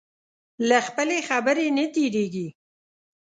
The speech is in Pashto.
له خپلې خبرې نه تېرېږي.